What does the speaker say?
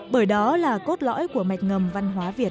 bởi đó là cốt lõi của mạch ngầm văn hóa việt